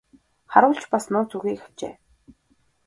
Харуул ч бас нууц үгийг авчээ.